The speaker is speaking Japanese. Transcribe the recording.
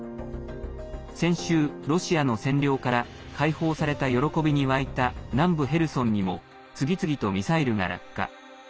先週、ロシアの占領から解放された喜びに沸いた南部ヘルソンにも次々とミサイルが落下。